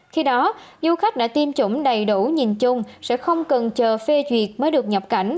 khi đó du khách đã tiêm chủng đầy đủ nhìn chung sẽ không cần chờ phê duyệt mới được nhập cảnh